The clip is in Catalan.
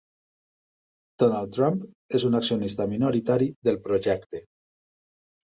Donald Trump és un accionista minoritari del projecte.